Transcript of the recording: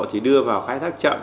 thì đưa vào khai thác chậm